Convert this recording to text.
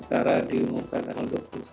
karena diumumkan dua puluh satu